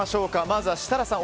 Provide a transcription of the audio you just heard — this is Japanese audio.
まずは設楽さん